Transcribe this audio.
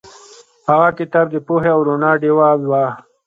هغه کتاب د پوهې او رڼا ډیوه وه.